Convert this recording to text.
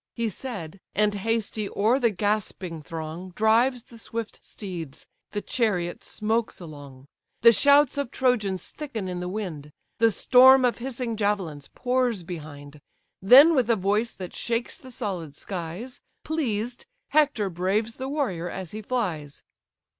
He said, and, hasty, o'er the gasping throng Drives the swift steeds: the chariot smokes along; The shouts of Trojans thicken in the wind; The storm of hissing javelins pours behind. Then with a voice that shakes the solid skies, Pleased, Hector braves the warrior as he flies.